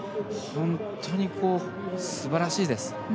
本当に素晴らしいです。